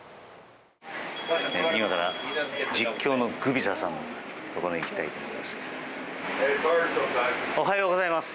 今から実況のグビザさんのところに行きたいと思います。